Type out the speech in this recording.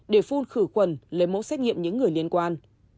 để phun khử khuẩn lấy mẫu xét nghiệm những người liên quan